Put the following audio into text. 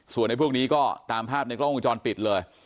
ส่วนไอ้พวกนี้ก็ตามภาพในกล้องวงจรปิดเลย